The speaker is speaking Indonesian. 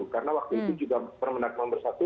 karena waktu itu juga permendag no satu